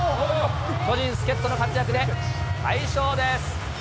巨人、助っ人の活躍で快勝です。